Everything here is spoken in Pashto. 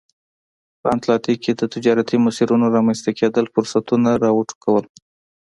په اتلانتیک کې د تجارتي مسیرونو رامنځته کېدل فرصتونه را وټوکول.